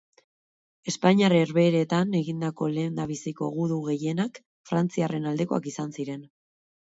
Espainiar Herbehereetan egindako lehendabiziko gudu gehienak frantziarren aldekoak izan ziren.